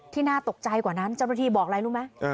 น่าตกใจกว่านั้นเจ้าหน้าที่บอกอะไรรู้ไหม